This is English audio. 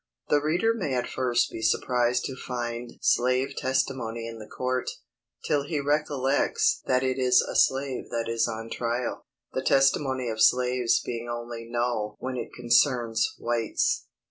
The reader may at first be surprised to find slave testimony in the court, till he recollects that it is a slave that is on trial, the testimony of slaves being only null when it concerns whites.